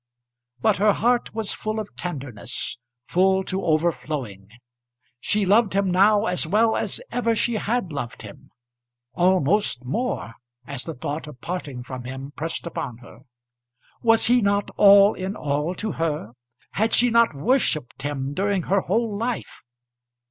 But her heart was full of tenderness, full to overflowing. She loved him now as well as ever she had loved him: almost more as the thought of parting from him pressed upon her! Was he not all in all to her? Had she not worshipped him during her whole life?